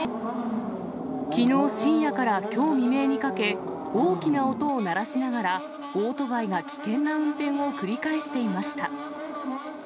きのう深夜からきょう未明にかけ、大きな音を鳴らしながら、オートバイが危険な運転を繰り返していました。